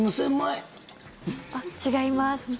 違います。